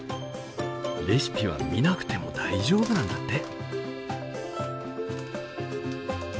レシピは見なくても大丈夫なんだって。